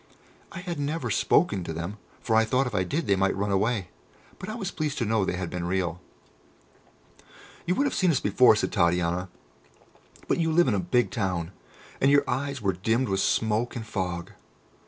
I had never spoken to them, for I thought if I did they might run away; but I was pleased to know they had been real. "You would have seen us before," said Titania, "but you live in a big town, and your eyes were dimmed with smoke and fog.